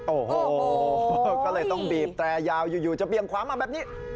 โอ้โหก็เลยต้องบีบแตรยาวอยู่จะเบียงขวามาแบบนี้